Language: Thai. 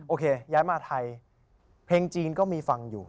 ย้ายมาไทยเพลงจีนก็มีฟังอยู่